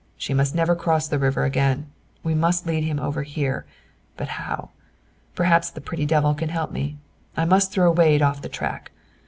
"She must never cross the river again. We must lead him over here; but how? Perhaps the pretty devil can help me. I must throw Wade off the track.